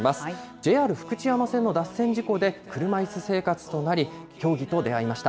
ＪＲ福知山線の脱線事故で車いす生活となり、競技と出会いました。